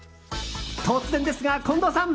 突然ですが、近藤さん！